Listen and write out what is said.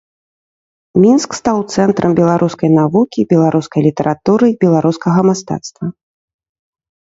Мінск стаў цэнтрам беларускай навукі, беларускай літаратуры, беларускага мастацтва.